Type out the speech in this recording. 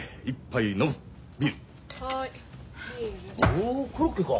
おコロッケか。